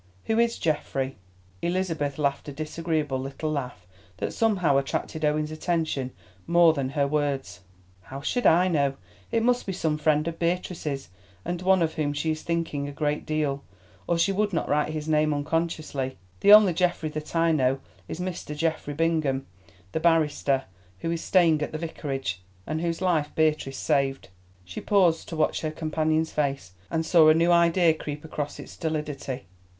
Who is Geoffrey?" Elizabeth laughed a disagreeable little laugh that somehow attracted Owen's attention more than her words. "How should I know? It must be some friend of Beatrice's, and one of whom she is thinking a great deal, or she would not write his name unconsciously. The only Geoffrey that I know is Mr. Geoffrey Bingham, the barrister, who is staying at the Vicarage, and whose life Beatrice saved." She paused to watch her companion's face, and saw a new idea creep across its stolidity.